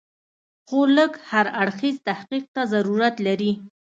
خو لږ هر اړخیز تحقیق ته ضرورت لري.